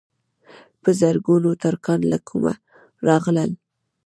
په زرګونو ترکان له کومه راغلل.